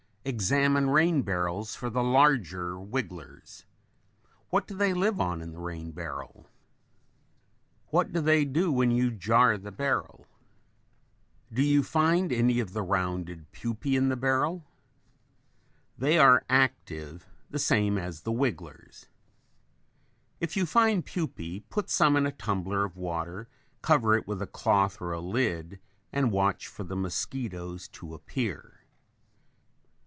Examine rain barrels for the larger wigglers. What do they live on in the rain barrel? What do they do when you jar the barrel? Do you find any of the rounded pupae in the barrel? They are active the same as the wigglers. If you find pupae, put some in a tumbler of water, cover it with cloth or a lid and watch for the mosquitoes to appear.